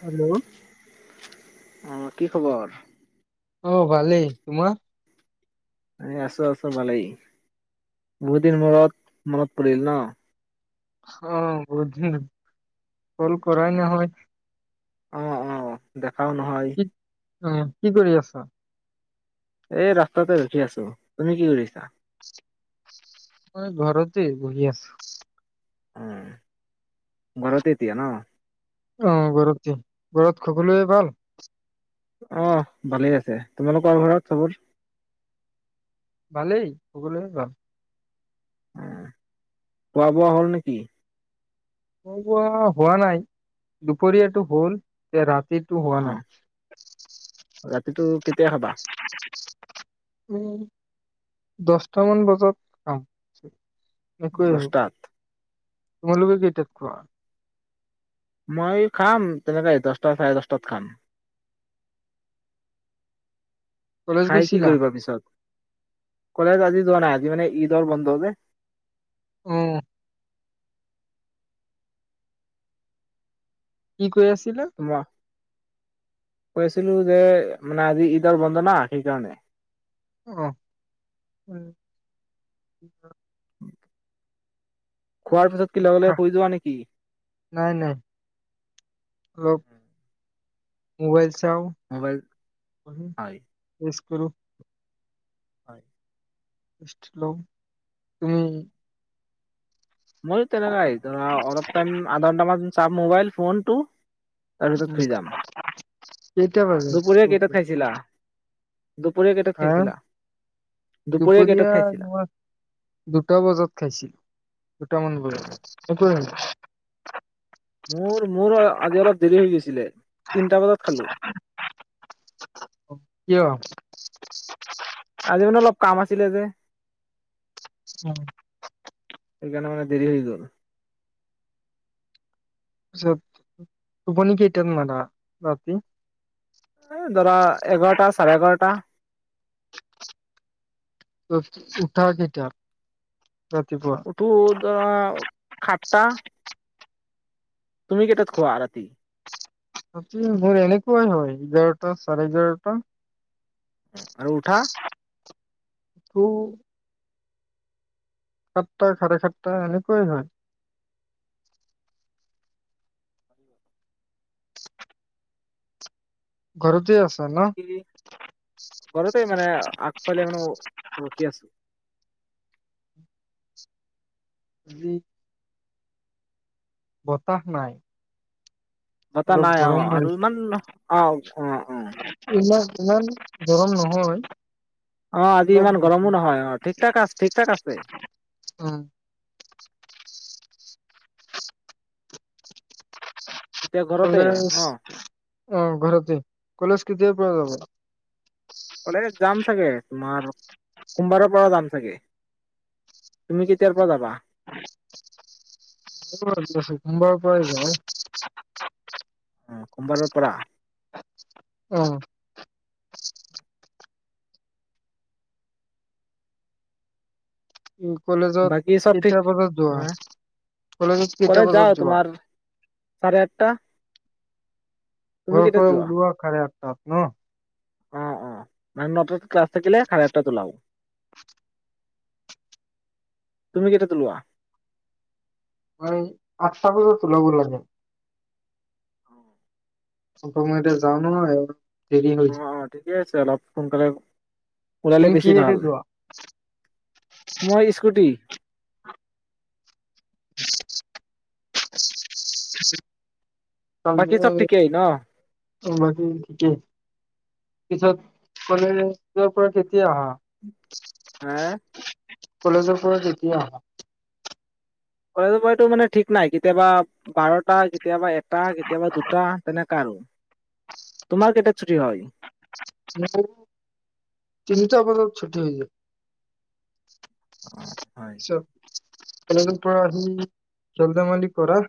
Hello অ', কি খবৰ? অ', ভালেই? তোমাৰ? এ আছো, আছো ভালেই। বহুত দিন মূৰত মনত পৰিল ন? অ', বহুত দিন, ফোন কৰাই নহয়। অ', অ', দে অ' নহয়। উম, কি কৰি আছা? এই ৰাস্তাতে ৰখি আছো। তুমি কি কৰিছা? মই ঘৰতে বহি আছো। উম ঘৰতে এতিয়া ন? অ', ঘৰতেই। ঘৰত সকলোৰে ভাল? অহ ভালেই আছে, তোমালোকৰ ঘৰত চবৰ ভালেই, সকলোৰে ভাল। উম খোৱা-বোৱা হ'ল নেকি? খোৱা বোৱা হোৱা নাই, দুপৰীয়া টো গ'ল এতিয়া ৰাত সেইটো হোৱা নাই। সেইটো কেতিয়া খাৱা? উম দহটামান বজাত খাওঁ। দোষ। তোমালোকে কেইটাত খোৱা? মই খাম তেনেকে দসটা চাৰে দসটাত খাম। কলেজ খায় কি গৈছিলা কৰিবা পিছত? কলেজ আজি যোৱা নাই আজি মানে ঈদৰ বন্ধ যে। অ [unintelligible] কৈ আছিলে। কৈছিলোঁ যে মানে, আজি ঈদৰ বন্ধ ন সেইকাৰণে। আহ, উম। উম খোৱাৰ পিছত কি লগে খা লগে শুই যোৱা নেকি? নাই নাই অলপ মোবাইলছ যও। মোবাইল হয় কৰোঁ হয়। তুমি? মোৰ তেনেকুৱা নাই। অলপ টাইম, আধা ঘণ্টামান চফাত বহি মোবাইল ফোনটো চাওঁ। তাৰ পিছত উম, শুই যাম। কেইটা বাজে দুপৰীয়া শুতে? কেইটাত খাইছিলা? দুপৰীয়া কেইটাত হা, খাইছিলা কেইটাত দুপৰীয়া খাইছিলা তোমাৰ দুটা বজাত খাইছিল। দুটা মান বজাত, সেইটোৱে মানে মোৰ মোৰ আজি অলপ দেৰি হৈ গৈছিলে। তিনটা বজাত খালো কিয়? আজি মানে অলপ কাম আছ ছিলে যে। চাৰ সেইকাৰণে মানে দেৰি হৈ গ'ল। চ'ব টোপনি কেইটা মাৰা ৰাতি। ধৰা এঘাৰটা, চাৰে এঘাৰটা। উঠ, উঠা কেইটাত? ৰাতিপুৱা উঠো ধৰা, সাতটা। তুমি কেইটাত শুৱা ৰাতি? ৰাতি মোৰ এনেকুৱাই হয় এঘাৰটা, চাৰে এঘাৰটা। আৰু উঠা? [unintelligible] সাতটা, চাৰে সাতটা এনেকুৱাই হয়। ঘৰতে আছ [unintelligible] ঘৰতেই মানে অ, আগফালে মানে ৰখি আছোঁ। যি বতাহ নাই। বতা অলপ নাই অ', গৰম আৰু মাৰিছে ইমান অ', অ', অ'। ইমান ইমান গৰম নহয়। অ', আজি অলপ ইমান দিছে গৰমো নহয়। অ', ঠিক-ঠাক আছ, ঠিক ঠাক আছে। উম, এতিয়া ঘৰতে কলেজ। ন অ', ঘৰতে কলেজ কেতিয়া পৰা যাবা? কলে যাম চাগে তোমাৰ সোমবাৰৰ পৰা যাম চাগে তুমি কেতিয়াৰ পৰা যাবা সোমবাৰ পৰা যাম অ সোমবাৰৰ পৰা আহ উম কলেজত বাকী চব কেইটা ঠিক বজাত যোৱা অ কলেজত কেইটা কলেজ বজাত যাও যোৱা তোমাৰ চাৰে আঠটা তুমি ঘৰপ কেইটাত যোৱা উওলোৱা [inaudible] তপ ন অ' অ' মান নটাত ক্লাছ থাকিলে চাৰে আঠটা ওলাব তুমি কেইটাত তলোৱা মই আঠতা বজাত ওলাব লাগে উ [inaudible] হ'ব মই এতিয়া যান নহয় দেৰি হৈছে অ' অ' ঠিকে আছে অলপ সোনকালে ওলালে তুমি বেছি কিহেৰে ভাল যোৱা মই স্কুটি আছে [inaudible] বাকী চব ঠিকে হ ন বাকী ঠিকেই পিছত কলে তৰ [unintelligible] পৰা কেতিয়া আহা হ [unintelligible] কলেজৰ পৰা তেতিয়া আহা কলেজৰ মইটো মানে ঠিক নাই কেতিয়াবা বাৰটা কেতিয়াবা এটা কেতিয়াবা দুটা তেনেকা আৰু তোমাৰ কেইটাত ছুটি হয় তিনিটা বজাত ছুটি হৈ যায়। অ' হয় পিছত কলেজৰ পৰা আহি খেল ধেমালি কৰা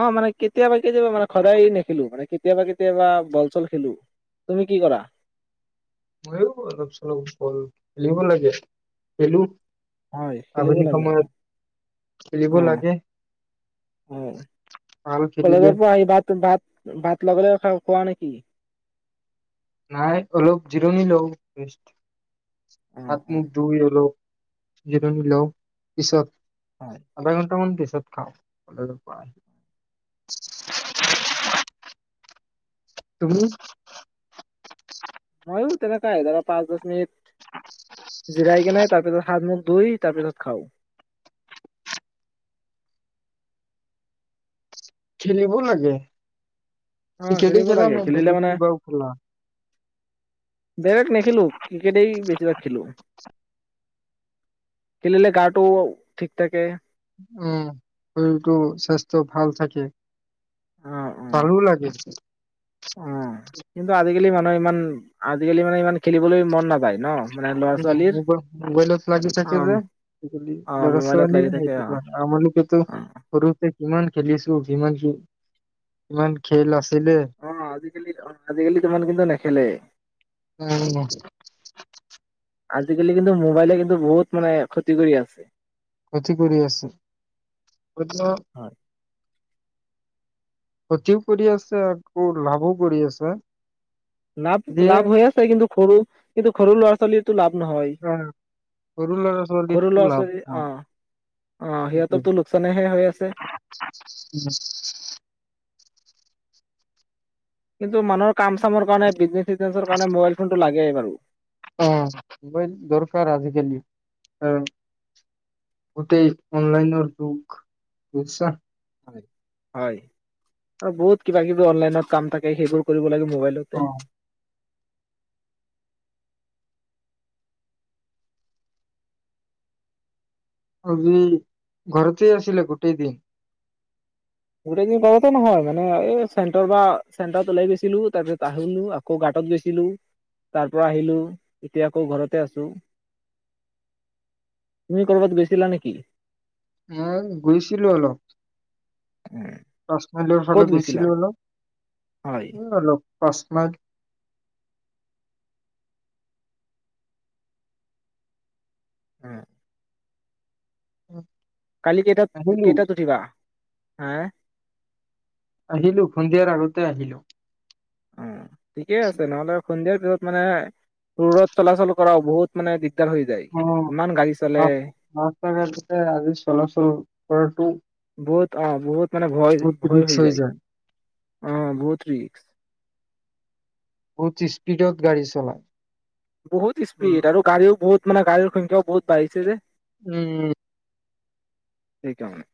অ মানে কেতিয়াবা কেতিয়াবা মানে সদায় নেখেলো মানে কেতিয়াবা কেতিয়াবা বল চল খেলো তুমি কি কৰা ময়ো অলপ চলপ বল খেলিব লাগে খেলো হয় খেলিব আবেলি লাগে সময়ত খেলিব অ লাগে অ ভাল খেলিলে কলেজৰ পৰা আহি ভাত ভাত ভাত লগলে লগে খাও, [unintelligible] নাই অলপ জিৰণি লওঁ উম হাত উম মুুগ ধুই আৰু জিৰণি লৌ হয়। পিছত আধা ঘণ্টা মান দিছ, [inaudible] তুমি হয় তেনেকাই পাচ দশ মিনিট জিৰাইকেনে তাৰ পিছত, হাত মুখ ধুই তাৰপিছত খাও খেলিব লাগে। অ' ক্ৰিকেটে খেলিব খেলা লাগে নে খেলিলে বেলেগ মানে কিবাও খেলা বেক নে খেলো ক্ৰিকেটেই বেছিভাগ খেলো। খেলিলে গাটো ঠিক থাকে। উম শৰীৰটো স্বাস্থ্য ভাল থাকে, অ অ ভালো লাগে। অ। কিন্তু আজিকালি ইমান আজিকালি মানে ইমান খেলিবলৈ মন নাযায়। ন মানে ল'ৰা ছোৱালীৰ। মবাই মোবাইলত লাগি অ থাকে যে অ ল'ৰা মোবাইলত ছোৱালী লাগি থাকে অ স আমালোকেতো অ সৰুতে কিমান খেলিছো কিমান, কিমান খেল আছিলে। অ আজিকালি অ আজিকালি তুমান কিন্তু নেখেলে। উম। আজিকালি কিন্তু মোবাইলে কিন্তু বহুত মানে ক্ষতি কৰি আছে। ক্ষতি কৰি আছে [unintelligible] হয় ক্ষতিও কৰি আছে আকৌ লাভো কৰি আছে। লাভ যিয়ে লাভ হৈ আছে কিন্তু সৰু, কিন্তু সৰু ল'ৰা ছোৱালীৰ লাভ নহয়। আহ, সৰু ল'ৰা সৰু ছোৱালীকো ল'ৰা লাভ ছোৱালী, হোৱা অ', অ', সেইটোৱে সিহঁতৰো লোকচানেহে হৈ আছে। কিন্তু মানুহৰ কাম চামৰ কাৰণে বিজনেচ চজনেচৰ কাৰণে মোবাইল ফোনটো লাগেই বাৰু। অ মোবাইল দৰকাৰ আজিকালি আহ গোটেই অনলাইনৰ যগ বুজছা। হয় আৰু বহুত কিবা কিবি অনলাইনত কাম থাকে সেইবোৰ কৰিব লাগে অ মোবাইলতে। আজি ঘৰতেই আছিলে গোটেই দিন গোটেই দিন পতে নহয় মানে এই চেণ্টাৰ বা চেণ্টাৰত ওলাই গৈছিলো, তাৰপিছত আহিলো আকৌ গাঁতত গৈছিলো, তাৰ পৰা আহিলো এতিয়া আকৌ ঘৰতে আছো। তুমি কৰবাত গৈছিলা নেকি? উম, গৈছিলো অলপ। পাছমিলৰ ক'ত ফালে গৈছিলা গৈছিলো অলপ হয় উ অলপ। [unintelligible] উম। উম। কালি কেইটাত কেইটাত উঠিবা? হে আহিলো সন্ধিয়াৰ আগতে আহিলো। ঠিকে আছে নহ'লে আৰু সন্ধিয়া ত মানে দূৰত চলাচল কৰাও বহুত মানে দিগদাৰ হৈ যায় উ ইমান গাড়ী চলে ৰাস্তা ঘাটতে আজি চলাচল কৰাটো বহুত অ' বহুত মানে ভয় ভয় হৈ যায় অ' বহুত ৰিস্ক। বহুত স্পীডত গা়ী চলায়। বহুত উম, স্পিড আৰু গাড়ীও বহুত মানে গাড়ীৰ সংখ্যাও বহুত বাঢ়িছে যে। উম। সেই কৰনে।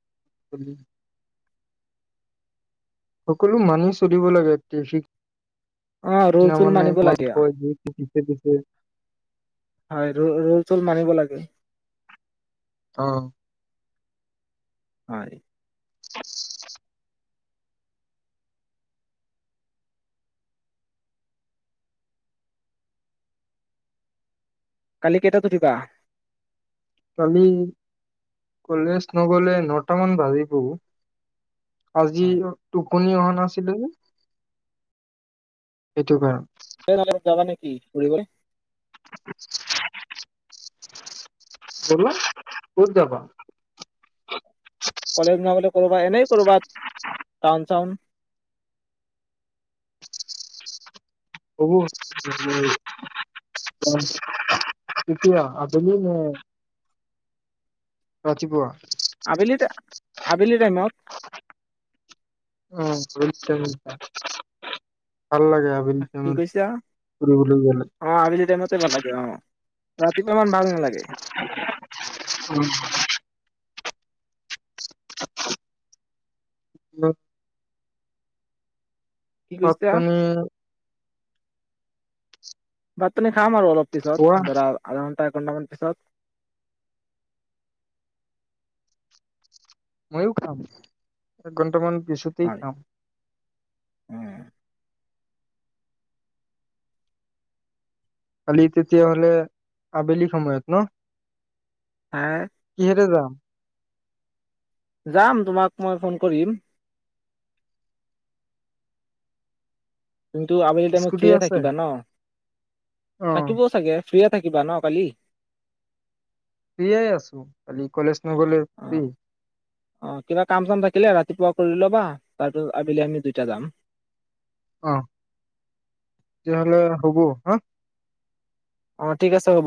উম। সকলো মানি চলিব লাগে একি শিক অ ৰোল চোল মানিব লাগে [unintelligible] হয় ৰোল মানিব লাগে। অ' হয়। [inaudible] কালি কেইটাত উঠিবা কালি কলেজ নগ'লে নটামান বাজিব, আজি হয় ত কুনি অহা নাছিলো এইটো কাৰণ যাবা [unintelligible] [inaudible] ব ক'ত যাবা কলেজ নগলে কৰবা এনেই কৰবাত টাউন চাউন হ'ব তেতিয়া [inaudible] আবেলি নে ৰাতিপুৱা আবেলি আবেলি টাইমত আহ উ্চ [unintelligible] কি কৈছা ফুৰিবলৈ গ'লে। অ আবেলি টাইমতে ভাল লাগে অ ৰাতিপুৱা ইমান ভাল নাই, উ [inaudible] ন [unintelligible] কি কৈছা সপ্তানি ভাত পানী খাম আৰু অলপ খোৱা পিছত ধৰা [inaudible] [unintelligible] ঘন্টামান পিছত। মইয়ো খাম, এক ঘণ্টা মান পিছতে হয় খাম। উম। কালি তেতিয়াহ'লে আবেলি সময়ত ন'? হাই কিহেৰে যাম? যাম তোমাক মই ফোন কৰিম। কিন্তু আবেলি টাইমত স্কুটি ফ্ৰিয়ে আছে থাকিবা ন'? অ থাকিবও চাগে। ফ্ৰিয়ে থাকিবা ন' কালি? ফ্ৰিয়ে আছোঁ কালি কলেজ নগলে ফ্ৰী অ', অ', কিবা কাম চাম থাকিলে ৰাতিপুৱা কৰি ল'বা, তাৰপিছত আবেলি আমি দুইটা যাম। অ', তেতিয়াহ'লে হ'ব হা। অ', ঠিক আছে। হ'ব।